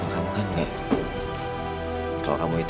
aku pake uang yang kamu kasih